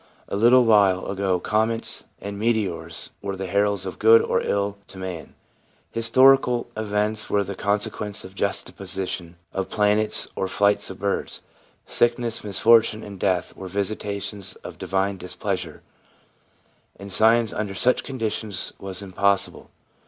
A little while ago comets and meteors were the heralds of good or ill to man ; historical events were the sequence of juxta position of planets or flight of birds ; sickness, mis fortune and death were visitations of divine displeasure — and science under such conditions was impossible.